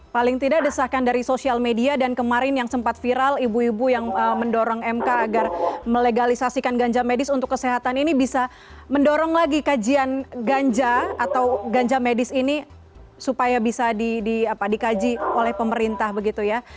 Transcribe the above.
paling tidak desakan dari sosial media dan kemarin yang sempat viral ibu ibu yang mendorong mk agar melegalisasikan ganja medis untuk kesehatan ini bisa mendorong lagi kajian ganja atau ganja medis ini supaya bisa dikaji oleh pemerintah begitu ya